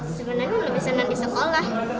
sebenarnya lebih senang di sekolah